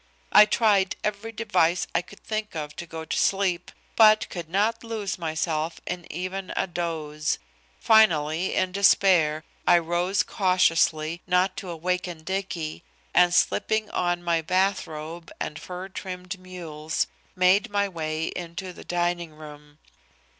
I tried every device I could think of to go to sleep, but could not lose myself in even a doze. Finally, in despair, I rose cautiously, not to awaken Dicky, and slipping on my bathrobe and fur trimmed mules, made my way into the dining room.